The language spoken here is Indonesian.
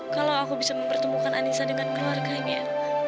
kalau aku bisa mempertemukan anissa dengan keluarganya